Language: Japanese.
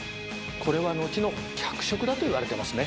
これは後の脚色だといわれていますね。